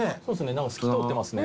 透き通ってますね